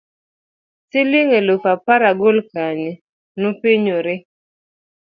siling' aluf apar agol kanye? nopenyore